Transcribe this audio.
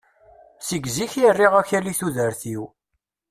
Seg zik i rriɣ akal i tudert-iw.